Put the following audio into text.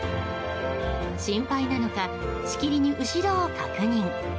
心配なのかしきりに後ろを確認。